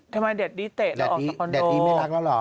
ทำไมเด็ดดี้เตะออกจากคอนโดเด็ดดี้ไม่รักแล้วหรอ